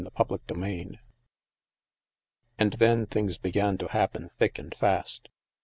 CHAPTER VIII And then, things began to happen thick and fast.